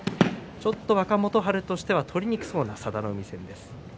ちょっと若元春としては取りにくさもある佐田の海戦です。